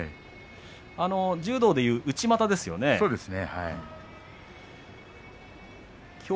柔道で言う内股ですよね。